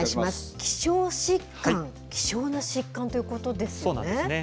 希少疾患、希少な疾患ということそうなんですね。